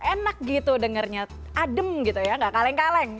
enak gitu dengernya adem gitu ya nggak kaleng kaleng